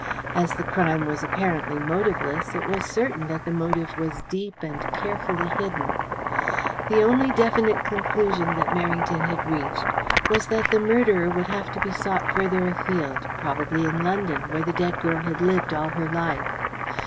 As the crime was apparently motiveless, it was certain that the motive was deep and carefully hidden. The only definite conclusion that Merrington had reached was that the murderer would have to be sought further afield, probably in London, where the dead girl had lived all her life.